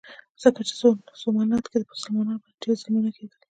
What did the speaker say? ځکه چې په سومنات کې په مسلمانانو باندې ډېر ظلمونه کېدل.